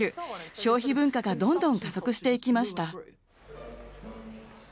消費文化がどんどん加速していきました。